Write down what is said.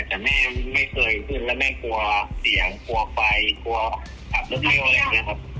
แต่แม่ไม่เคยขึ้นแล้วแม่กลัวเสียงกลัวไฟกลัวขับรถเร็วอะไรอย่างนี้ครับ